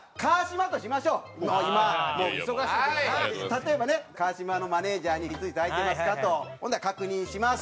例えばね川島のマネージャーに「いついつ空いてますか？」と。ほな「確認します」。